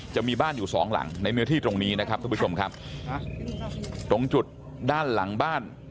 จะมีบ้านอยู่สองหลังในเนื้อที่ตรงนี้นะครับทุกผู้ชมครับตรงจุดด้านหลังบ้าน